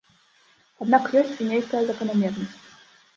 Аднак ёсць і нейкая заканамернасць.